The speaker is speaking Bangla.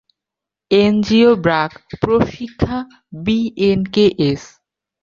NGO BRAC, Proshika, BNKS.